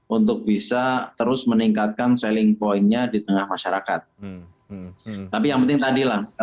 untuk bisa terus meningkatkan selling pointnya di tengah masyarakat tapi yang penting tadilah